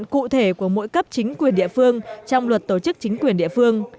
cụ thể của mỗi cấp chính quyền địa phương trong luật tổ chức chính quyền địa phương